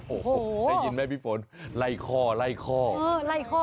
โอ้โหพี่ฟ้นมายินเลยไล่ข้อไล่ข้อ